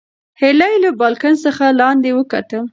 هیلې له بالکن څخه لاندې وکتل.